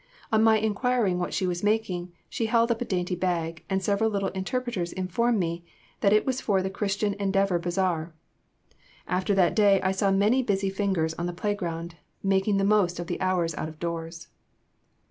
On my inquiring what she was making, she held up a dainty bag, and several little interpreters informed me that it was for the Christian Endeavor Bazaar. After that day I saw many busy fingers on the playground making the most of the hours out of doors.